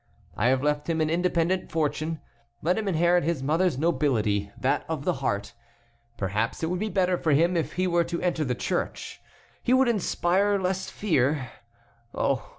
I have left him an independent fortune. Let him inherit his mother's nobility, that of the heart. Perhaps it would be better for him if he were to enter the church. He would inspire less fear. Oh!